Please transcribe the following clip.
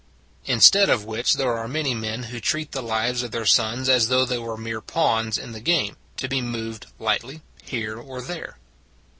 Instead of which there are many men who treat the lives of their sons as though they were mere pawns in the game, to be moved lightly here or there.